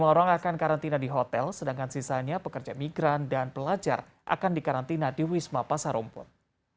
dua puluh orang akan karantina di hotel sedangkan sisanya pekerja migran dan pelajar akan dikarantina di wisma pasar rumput